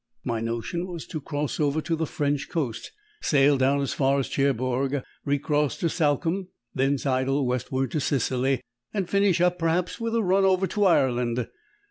My notion was to cross over to the French coast, sail down as far as Cherbourg, recross to Salcombe, and thence idle westward to Scilly, and finish up, perhaps, with a run over to Ireland.